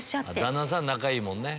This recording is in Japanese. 旦那さん仲いいもんね。